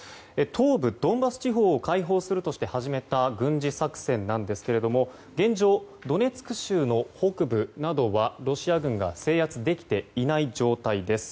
東部ドンバス地方を解放するとして始めた軍事作戦ですが現状、ドネツク州の北部などはロシア軍が制圧できていない状態です。